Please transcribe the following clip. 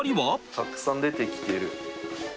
たくさん出てきてる。